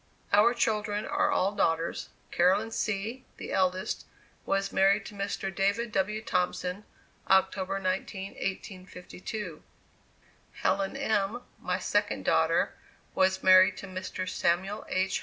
Our children are all daughters: Caroline C., the eldest, was married to Mr. David W. Thompson, October 19, 1852; Helen M., my second daughter, was married to Mr. Samuel H.